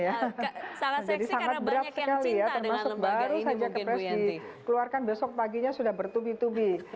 jadi kalau saya ke pres dikeluarkan besok paginya sudah bertubi tubi